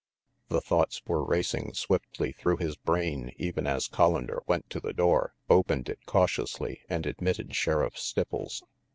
The thoughts were racing swiftly through his brain even as Collander went to the door, opened it cautiously and admitted Sheriff Stipples.